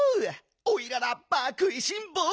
おいらラッパーくいしんぼう！